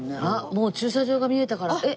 あっもう駐車場が見えたから。